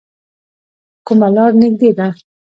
کومه لار نږدې ده؟